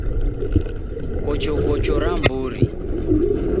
Kochokocho ra mburi.